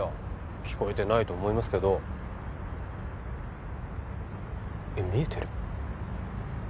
聞こえてないと思いますけどえっ見えてる？